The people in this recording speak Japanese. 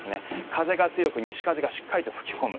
風が強く西風がしっかりと吹き込む。